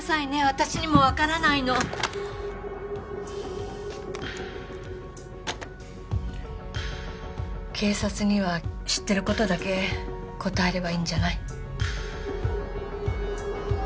私にも分からないの警察には知ってることだけ答えればいいんじゃない？